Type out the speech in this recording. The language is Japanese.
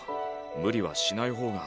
無理はしない方が。